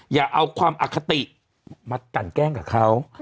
อย่าเอาความอคติมากันแกล้งกับเขา